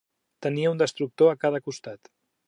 Tenia un destructor a cada costat.